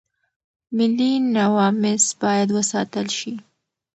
ملي نواميس بايد وساتل شي.